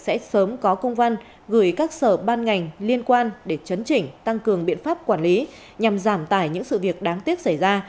sẽ sớm có công văn gửi các sở ban ngành liên quan để chấn chỉnh tăng cường biện pháp quản lý nhằm giảm tải những sự việc đáng tiếc xảy ra